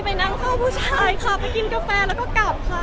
ไปนั่งเฝ้าผู้ชายค่ะไปกินกาแฟแล้วก็กลับค่ะ